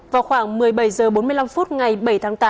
vào khoảng một mươi bảy h bốn mươi năm phút ngày bảy tháng tám